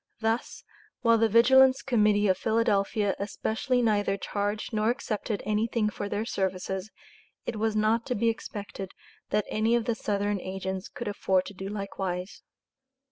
Thus, while the Vigilance Committee of Philadelphia especially neither charged nor accepted anything for their services, it was not to be expected that any of the Southern agents could afford to do likewise.